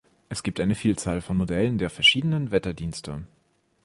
Es gibt eine Vielzahl von Modellen der verschiedenen Wetterdienste.